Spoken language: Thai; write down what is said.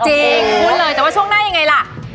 จริงพูดเลยแต่ว่าช่วงหน้ายังไงแหละโอเค